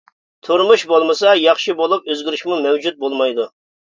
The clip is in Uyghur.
تۇرمۇش بولمىسا، ياخشى بولۇپ ئۆزگىرىشمۇ مەۋجۇت بولمايدۇ.